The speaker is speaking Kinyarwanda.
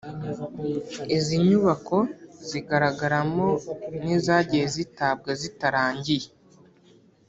Izi nyubako zigaragaramo n’izagiye zitabwa zitarangiye